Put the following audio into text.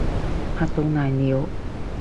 嚇到瀨尿